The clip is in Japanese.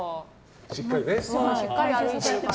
しっかり歩いてるから。